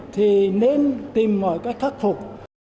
thì nên tìm mọi cách khắc phục